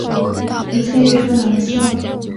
一切又充满了希望